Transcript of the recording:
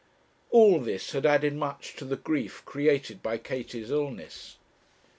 All this had added much to the grief created by Katie's illness.